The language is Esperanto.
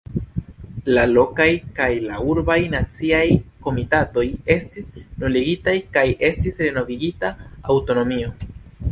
La lokaj kaj la urbaj naciaj komitatoj estis nuligitaj kaj estis renovigita aŭtonomio.